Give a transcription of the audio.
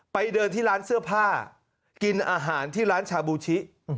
ไปเดินที่ร้านเสื้อผ้ากินอาหารที่ร้านชาบูชิ